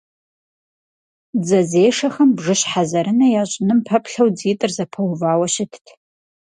Дзэзешэхэм бжыщхьэзэрынэ ящӀыным пэплъэу дзитӀыр зэпэувауэ щытт.